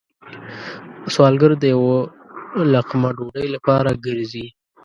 سوالګر د یو لقمه ډوډۍ لپاره گرځي